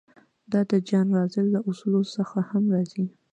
دا د جان رالز له اصولو څخه هم راځي.